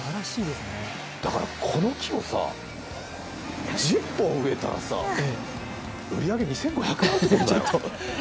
だからこの木をさ、１０本植えたらさ売り上げ２５００万円だよ？